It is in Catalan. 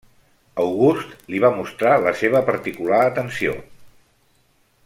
August li va mostrar la seva particular atenció.